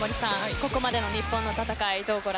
ここまでの日本の戦い